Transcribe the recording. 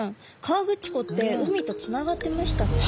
河口湖って海とつながってましたっけ？